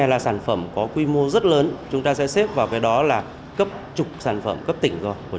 là sản phẩm có quy mô rất lớn chúng ta sẽ xếp vào cái đó là cấp chục sản phẩm cấp tỉnh rồi của